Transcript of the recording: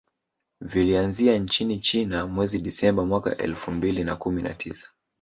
Vilianzia nchini China mwezi Disemba mwaka elfu mbili na kumi na tisa